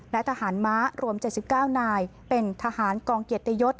และทหารม้ารวม๗๙นายเป็นทหารกองเกียรติยศ